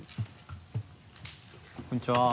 こんにちは。